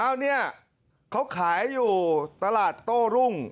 แล้วเนี่ยเขาขายอยู่ตลาดโต้รุ่ง